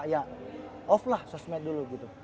ya off lah sosmed dulu gitu